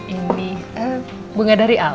ini bunga dari al